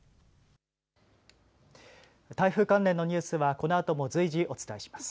台風関連のニュースはこのあとも随時お伝えします。